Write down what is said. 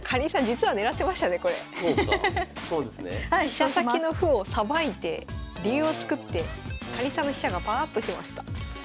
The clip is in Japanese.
飛車先の歩をさばいて竜を作ってかりんさんの飛車がパワーアップしました。